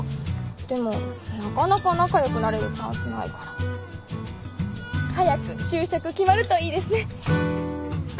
でもなかなか仲良くなれるチャンスないから。早く就職決まるといいですね。